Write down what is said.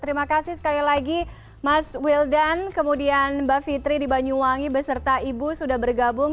terima kasih sekali lagi mas wildan kemudian mbak fitri di banyuwangi beserta ibu sudah bergabung